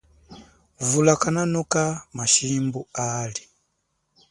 Vula kanokanga mashimbu ali.